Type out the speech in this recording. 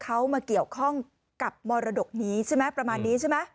เขามาเกี่ยวข้องกับมรดกนี้ใช่ไหมประมาณนี้ใช่ไหม